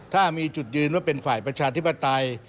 ถ้ามีจุดยืนว่าเป็นฝ่ายประชาธิปไตย